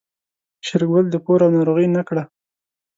شېرګل د پور او ناروغۍ نه کړه.